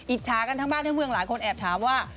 อิจฉากันทั้งบ้านทั้งเมืองหลายคนแอบถามว่า